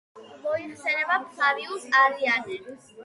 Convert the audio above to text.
მოიხსენიება ფლავიუს არიანე.